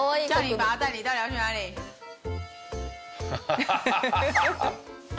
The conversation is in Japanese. ハハハハ！